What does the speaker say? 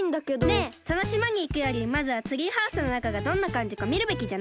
ねえそのしまにいくよりまずはツリーハウスのなかがどんなかんじかみるべきじゃない？